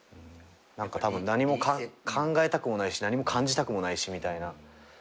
たぶん何も考えたくもないし何も感じたくもないしみたいな。